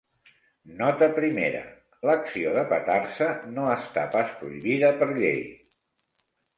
Nota primera: l'acció de petar-se no està pas prohibida per llei.